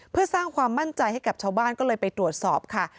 เพื่อสร้างความมั่นใจให้กับชาวบ้านก็เลยไปตรวจสอบค่ะ